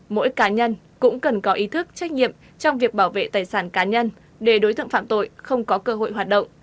mỗi cá nhân cũng cần có ý thức trách nhiệm trong việc bảo vệ tài sản cá nhân để đối tượng phạm tội không có cơ hội hoạt động